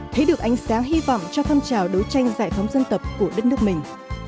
thấy được ánh sáng hy vọng cho phong trào đấu tranh giải phóng dân tộc của đất nước mình